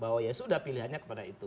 bahwa ya sudah pilihannya kepada itu